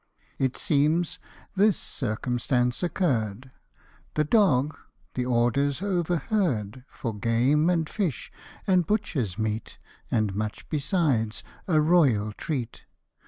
It seems this circumstance occur'd ; The dog, the orders overheard, For game, and fish, and butcher's meat, And much beside, a royal treat.